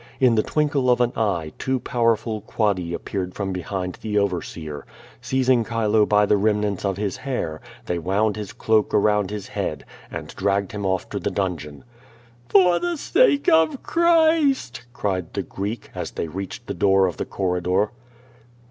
In the twinkle of an eye, two powerful Quadi appear ed from behincj the overseer. Seizing Chile by the remnants of his hair, they wound his cloak around his head, and drag ged him off to the dungeon. "For the sake of Christ!" cried the Greek, as they reached the door of the corridor.